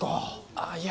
あぁいや。